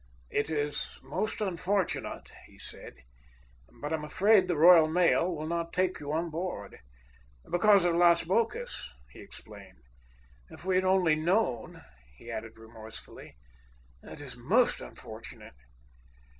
"It is most unfortunate," he said. "But I am afraid the Royal Mail will not take you on board. Because of Las Bocas," he explained. "If we had only known!" he added remorsefully. "It is most unfortunate."